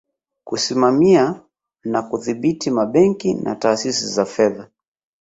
Kusimamia na kudhibiti mabenki na taasisi za fedha